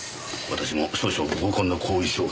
私も少々合コンの後遺症が。